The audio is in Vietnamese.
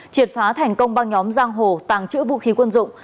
triệt phá thành công băng nhóm giang hồ tàng trữ vũ khí quân dụng